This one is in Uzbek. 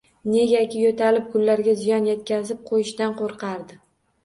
Negaki, yoʻtalib gullarga ziyon yetkazib qoʻyishidan qoʻrqardi.